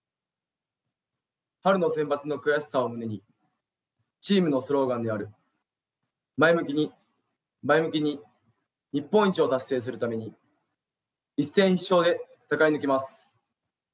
春のセンバツの悔しさを胸にチームのスローガンである「前向きに、前向きに、日本一」を達成するために一戦必勝で戦い抜きます。